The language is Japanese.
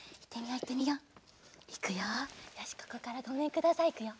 よしここから「ごめんください」いくよ。